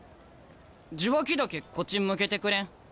受話器だけこっち向けてくれん？